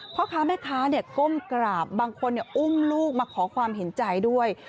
พ่อค้าแม่ค้าก้มกราบบางคนอุ้มลูกมาขอความเห็นใจด้วย